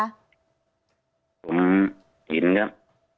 ผมเห็นครับ